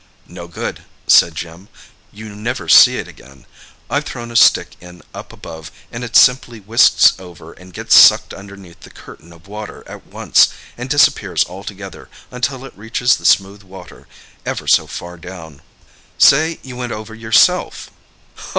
"No good," said Jim. "You never see it again. I've thrown a stick in up above, and it simply whisks over and gets sucked underneath the curtain of water at once, and disappears altogether until it reaches the smooth water, ever so far down." "Say you went over yourself?"